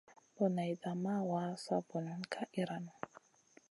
Boneyda ma wa, sa banion ka iyranou.